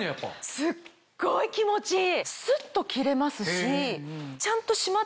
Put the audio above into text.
すっごい気持ちいい。